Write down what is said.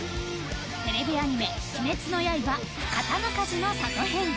テレビアニメ「鬼滅の刃刀鍛冶の里編」